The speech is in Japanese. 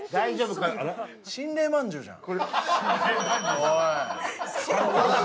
心霊まんじゅうじゃん。